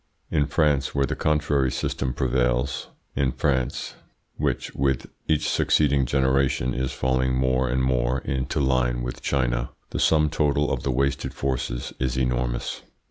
In France, where the contrary system prevails in France, which with each succeeding generation is falling more and more into line with China the sum total of the wasted forces is enormous."